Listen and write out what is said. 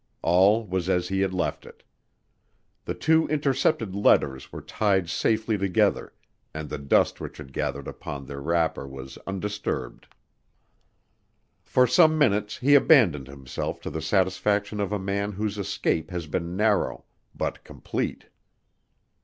All was as he had left it. The two intercepted letters were tied safely together and the dust which had gathered upon their wrapper was undisturbed. For some minutes he abandoned himself to the satisfaction of a man whose escape has been narrow but complete.